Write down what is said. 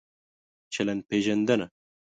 چلند پېژندنه